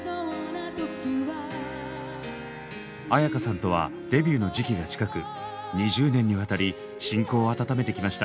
絢香さんとはデビューの時期が近く２０年にわたり親交を温めてきました。